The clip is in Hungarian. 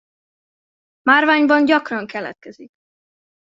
Márványban gyakran keletkezik.